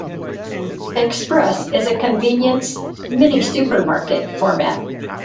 Express is a convenience "mini-supermarket" format.